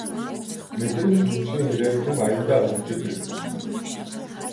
Мэдрэмж хөгжихийн хэрээр хүн аяндаа хөгжөөд ирдэг